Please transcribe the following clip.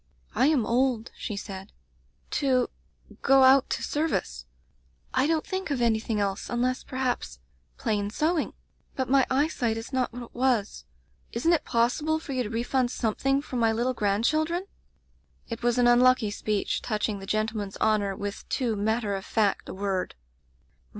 "*I am old/ she said, 'to — go out to ser vice. I don't think of anything else, unless, perhaps — plain sewing. But my eyesight is not what it was. Isn't it possible for you to refund something for my little grand children?' "It was an unlucky speech, touching the gentleman's honor with too matter of fact a word.